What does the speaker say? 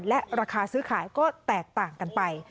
และราคาซื้อขายก็แตกต่างกันไป